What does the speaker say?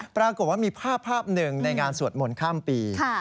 ปรากฏว่ามีภาพหนึ่งในงานสวดมนต์ข้ามปี